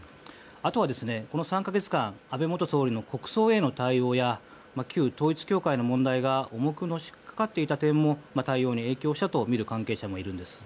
あとは、この３か月間安倍元総理の国葬への対応や旧統一教会の問題が重くのしかかっていた点も対応に影響したとみる関係者もいるんです。